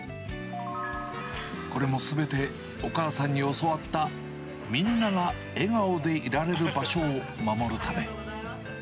これもすべて、お母さんに教わった、みんなが笑顔でいられる場所を守るため。